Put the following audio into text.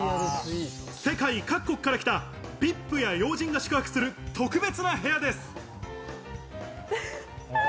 世界各国から来たＶＩＰや要人が宿泊する特別な部屋です。